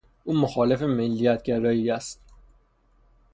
او مخالف ملیتگرایی است.